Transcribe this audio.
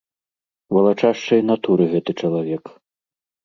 Валачашчай натуры гэты чалавек.